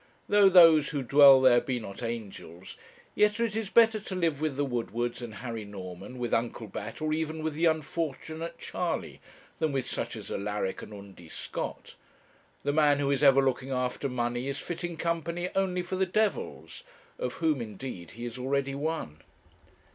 Though those who dwell there be not angels, yet it is better to live with the Woodwards and Harry Norman, with Uncle Bat, or even with the unfortunate Charley, than with such as Alaric and Undy Scott. The man who is ever looking after money is fitting company only for the devils, of whom, indeed, he is already one.